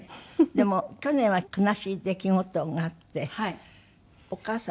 でも去年は悲しい出来事があってお母様？